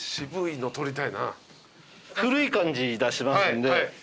古い感じ出しますんで。